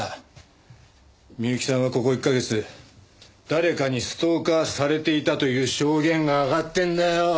美由紀さんはここ１カ月誰かにストーカーされていたという証言があがってるんだよ。